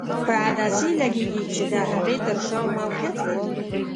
په عدسیې لګیږي چې د هغې تر شا موقعیت لري.